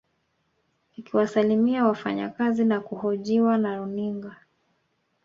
Akiwasalimia wafanyakazi na kuhojiwa na runinga